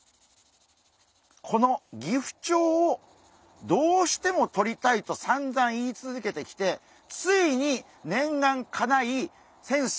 このギフチョウをどうしてもとりたいとさんざん言い続けてきてついに念願かない先生